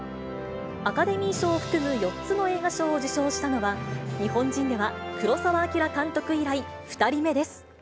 アカデミー賞を含む４つの映画賞を受賞したのは、日本人では黒澤明監督以来２人目です。